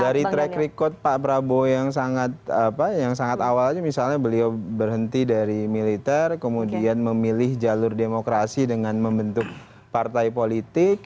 dari track record pak prabowo yang sangat awalnya misalnya beliau berhenti dari militer kemudian memilih jalur demokrasi dengan membentuk partai politik